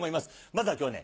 まずは今日ね